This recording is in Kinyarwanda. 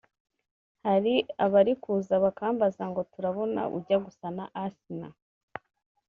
Hari abari kuza bakambaza ngo turabona ujya gusa na Asinah